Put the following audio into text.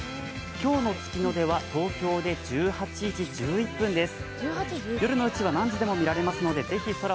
今日の月の出は東京で１８時１１分です。